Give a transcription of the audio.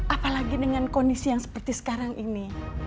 apalagi dengan kondisi yang seperti sekarang ini